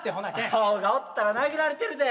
アオがおったら殴られてるで。